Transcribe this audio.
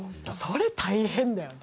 それ大変だよね。